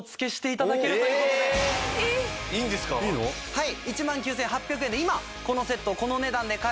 はい。